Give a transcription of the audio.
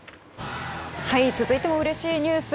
続いてもうれしいニュース